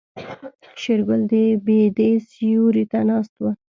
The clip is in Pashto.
شېرګل د بيدې سيوري ته ناست و.